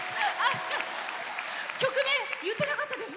曲名、言ってなかったです。